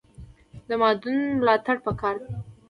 د مادون ملاتړ پکار دی